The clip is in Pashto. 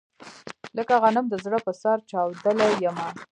لکه غنم د زړه په سر چاودلی يمه